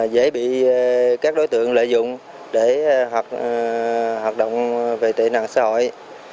giải bị các đối tượng lợi dụng để hoạt động về tự nạn xã hội